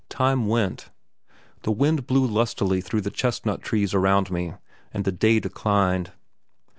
Time went. The wind blew lustily through the chestnut trees around me, and the day declined.